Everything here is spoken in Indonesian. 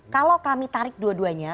kalau kami tarik dua duanya